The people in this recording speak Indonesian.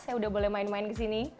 saya sudah boleh main main ke sini